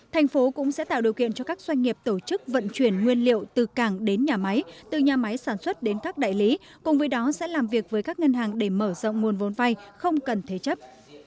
thành phố cũng sẽ tạo điều kiện cho các doanh nghiệp tổ chức vận chuyển nguyên liệu từ cảng đến nhà máy từ nhà máy sản xuất đến các đại lý cùng với đó sẽ làm việc với các ngân hàng để mở rộng nguồn vốn vay không cần thế chấp